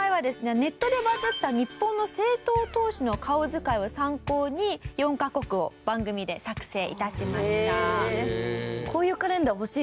ネットでバズった日本の政党党首の顔図解を参考に４カ国を番組で作成致しました。